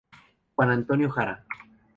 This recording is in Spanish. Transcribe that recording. Juan Antonio Jara.